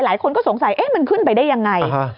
หลายคนก็สงสัยเอ๊ะมันขึ้นไปได้ยังไง